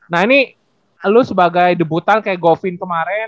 nah ini lu sebagai debutan kayak govind kemarin